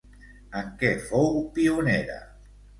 En què fou pionera?